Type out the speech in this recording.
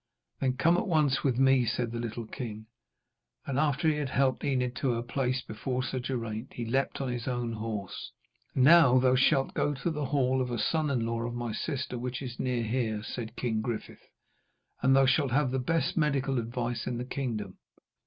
'Then come at once with me,' said the little king, and after he had helped Enid to her place before Geraint, he leaped on his own horse. 'Now thou shalt go to the hall of a son in law of my sister which is near here,' said King Griffith, 'and thou shalt have the best medical advice in the kingdom.'